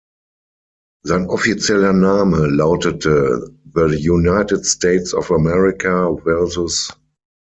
Sein offizieller Name lautete" The United States of America vs.